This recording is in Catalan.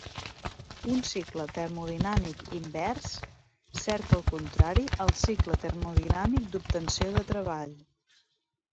Un cicle termodinàmic invers cerca el contrari al cicle termodinàmic d'obtenció de treball.